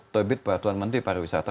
terbit peraturan menteri pariwisata